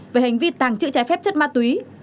về hành vi tàng trữ trái phép chất ma túy